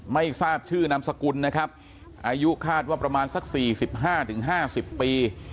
ไม่ทราบชื่อนามสกุลนะครับอายุคาดว่าประมาณสัก๔๕๕๐ปี